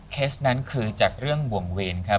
เคสนั้นคือจากเรื่องบ่วงเวรครับ